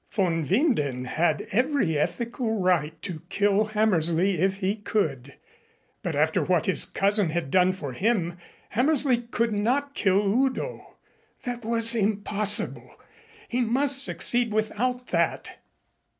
Von Winden had every ethical right to kill Hammersley if he could, but after what his cousin had done for him, Hammersley could not kill Udo. That was impossible. He must succeed without that.